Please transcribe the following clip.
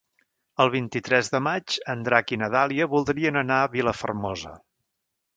El vint-i-tres de maig en Drac i na Dàlia voldrien anar a Vilafermosa.